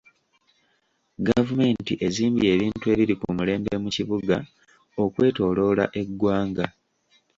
Gavumenti ezimbye ebintu ebiri ku mulembe mu bibuga okwetooloola eggwanga.